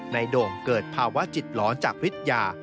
นายโด่งเกิดภาวะจิตร้อนจากวิทยา